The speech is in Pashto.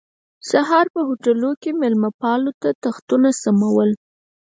سهار په هوټلګي کې مېلمه پالو تختونه سمول.